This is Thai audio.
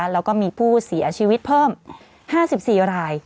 แล้วก็มีผู้เสียชีวิตเพิ่ม๕๔ราย